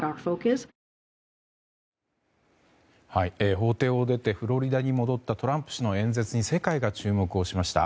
法廷を出てフロリダに戻ったトランプ氏の演説に世界が注目をしました。